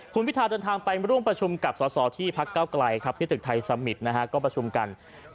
คุณพิทาเดินทางไปร่วมประชุมกับสอสอที่พักเก้าไกลครับที่ตึกไทยสมิตรก็ประชุมกัน